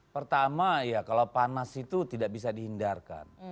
pertama ya kalau panas itu tidak bisa dihindarkan